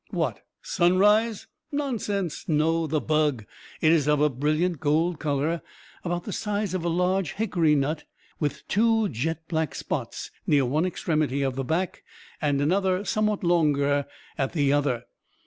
"What? sunrise?" "Nonsense! no! the bug. It is of a brilliant gold color about the size of a large hickory nut with two jet black spots near one extremity of the back, and another, somewhat longer, at the other.